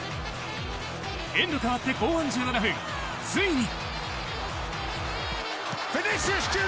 エンド変わって後半１７分ついに。